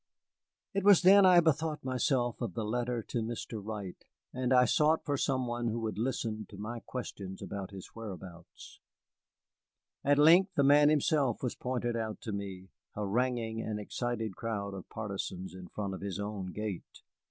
It was then I bethought myself of the letter to Mr. Wright, and I sought for some one who would listen to my questions as to his whereabouts. At length the man himself was pointed out to me, haranguing an excited crowd of partisans in front of his own gate.